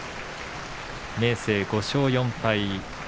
明生５勝４敗。